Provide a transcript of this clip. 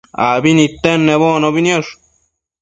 abi nidtenedbocnobi